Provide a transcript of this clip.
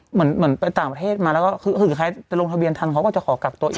เหมือนไปต่างประเทศมาแล้วคือคล้ายลงทะเบียนทางเขาก็จะขอกักตัวอีก